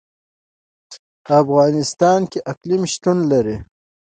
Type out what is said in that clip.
په افغانستان کې اقلیم شتون لري.